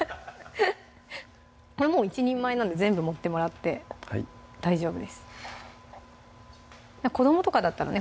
これもう１人前なんで全部盛ってもらって大丈夫です子どもとかだったらね